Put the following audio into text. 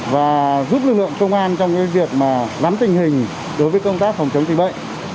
và giúp lực lượng công an trong việc nắm tình hình đối với công tác phòng chống dịch bệnh